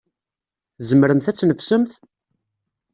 Tzemremt ad tneffsemt?